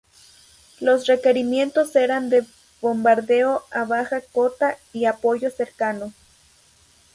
Los requerimientos eran de bombardeo a baja cota y apoyo cercano.